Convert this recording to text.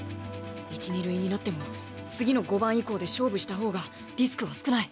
一二塁になっても次の５番以降で勝負した方がリスクは少ない。